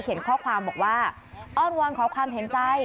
ข้อความบอกว่าอ้อนวอนขอความเห็นใจ